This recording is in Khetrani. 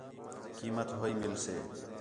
قیمت ہو ہی مِلسے